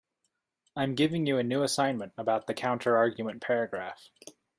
I am giving you a new assignment about the counterargument paragraph.